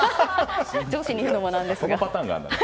上司に言うのもなんですが。